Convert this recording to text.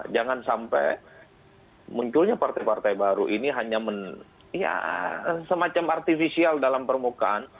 jangan sampai munculnya partai partai baru ini hanya semacam artifisial dalam permukaan